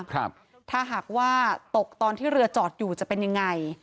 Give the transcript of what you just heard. ถ้าหากว่าตกตอนที่เรือจอดอยู่จะเป็นยังไง